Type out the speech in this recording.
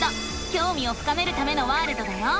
きょうみを深めるためのワールドだよ！